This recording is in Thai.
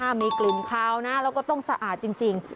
มีกลิ่นคาวนะแล้วก็ต้องสะอาดจริง